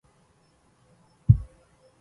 قل لها أيها الخيال الطروق